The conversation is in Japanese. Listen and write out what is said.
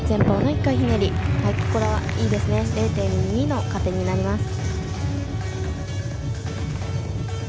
０．２の加点になります。